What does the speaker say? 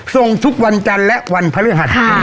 ส่งทุกวันจันทร์และวันพฤหัส